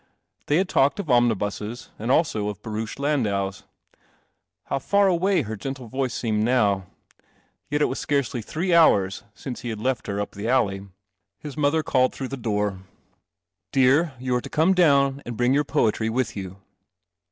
They had talked of omnibuses and also of barouche landaus. How far away her gentle voice seemed now ! Yet it was scarcely three hours since he had left her up the alley. His mother called through the door. " Dear, you are to come down and to bring your poetry with you."